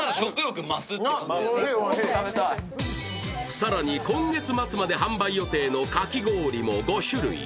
更に、今月末まで販売予定のかき氷も５種類。